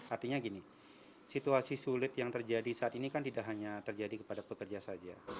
artinya gini situasi sulit yang terjadi saat ini kan tidak hanya terjadi kepada pekerja saja